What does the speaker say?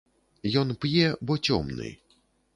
Ён п'е, бо цёмны.